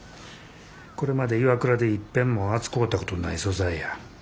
これまでＩＷＡＫＵＲＡでいっぺんも扱うたことのない素材や。